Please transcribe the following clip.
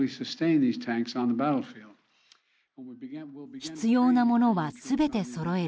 必要なものは全てそろえる。